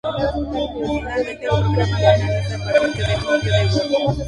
Finalmente el programa finaliza, para el gran alivio de Worf.